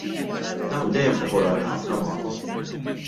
Dawn dejjem popolari ħafna magħkom.